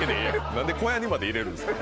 何で小屋にまで入れるんですか。